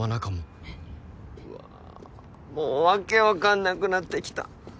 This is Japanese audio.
うわもう訳分かんなくなってきた。